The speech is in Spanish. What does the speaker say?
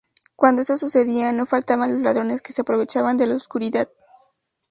Cuando eso sucedía no faltaban los ladrones que se aprovechaban de la oscuridad.